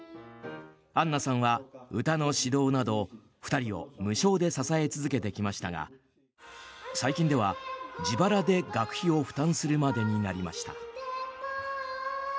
アンナさんは歌の指導など２人を無償で支え続けてきましたが最近では自腹で、学費を負担するまでになりました。